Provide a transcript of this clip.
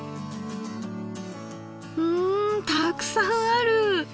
んたくさんある！